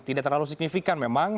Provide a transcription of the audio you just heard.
tidak terlalu signifikan memang